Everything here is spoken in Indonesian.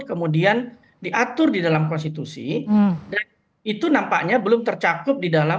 kemudian diatur di dalam konstitusi dan itu nampaknya belum tercakup di dalam